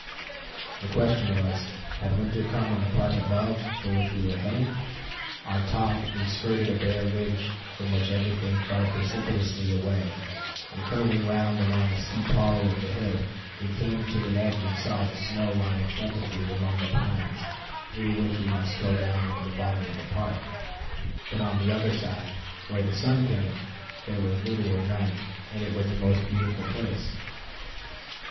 The question was, had winter come in the park above, for which we were heading? On top, we skirted a bare ridge from which everything fell precipitously away, and curving round along a steep hollow of the hill, came to an edge and saw the snow lying plentifully among the pines through which we must go down into the bottom of the park. But on the other side, where the sun came, there was little or none, and it was a most beautiful place.